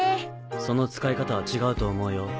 その使い方は違うと思うよ。